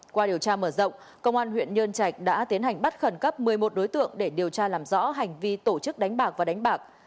qua điều tra mở rộng công an huyện nhơn trạch đã tiến hành bắt khẩn cấp một mươi một đối tượng để điều tra làm rõ hành vi tổ chức đánh bạc và đánh bạc